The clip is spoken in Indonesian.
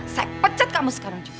saya pecat kamu sekarang